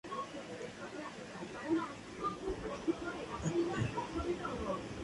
El más afamado y común de los ingredientes magrebíes es el: Cuscús.